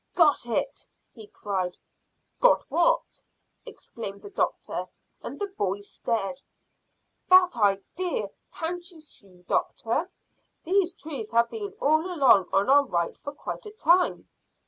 "Got it!" he cried. "Got what?" exclaimed the doctor, and the boys stared. "That idea. Can't you see, doctor? These trees have been all along on our right for quite a time."